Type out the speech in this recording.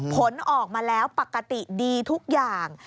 ผลออกมาแล้วปกติดีทุกอย่าง